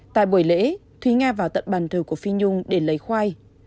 tại buổi lễ thúy nga vào tận bàn thờ của phi nhung để lấy khoai